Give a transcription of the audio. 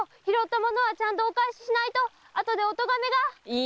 拾った物はちゃんとお返ししないとあとでお咎めが！